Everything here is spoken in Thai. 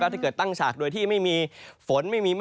ถ้าเกิดตั้งฉากโดยที่ไม่มีฝน